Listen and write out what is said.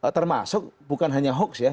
termasuk bukan hanya hoax ya